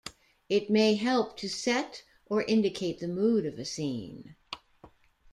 It may help to set or indicate the mood of a scene.